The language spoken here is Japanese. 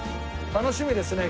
楽しみですね